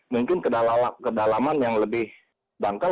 mungkin kedalaman yang lebih dangkal